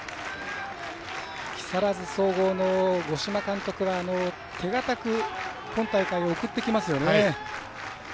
木更津総合の五島監督は手堅く今大会、送ってきますよね。